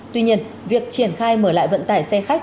tuy nhiên việc triển khai mở lại vận tải xe khách